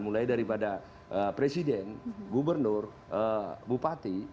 mulai daripada presiden gubernur bupati